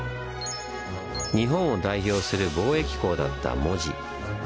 日本を代表する貿易港だった門司。